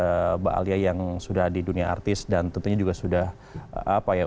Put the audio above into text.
mbak alia yang sudah di dunia artis dan tentunya juga sudah apa ya